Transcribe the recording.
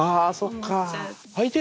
あそっか。